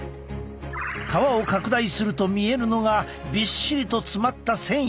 革を拡大すると見えるのがびっしりと詰まった繊維。